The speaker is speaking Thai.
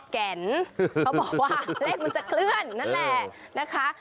แก่นเขาบอกว่าเลขมันจะเคลื่อนนั่นแหละนะคะ